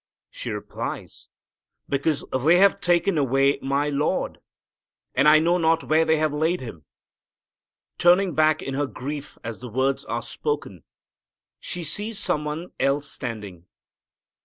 She replies, "Because they have taken away my Lord, and I know not where they have laid Him." Turning back in her grief as the words are spoken, she sees some one else standing.